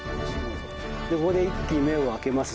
ここで一気に目を開けます。